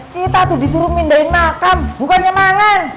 kita tuh disuruh pindahin makam bukannya mangan